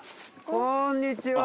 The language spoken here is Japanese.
こんにちは。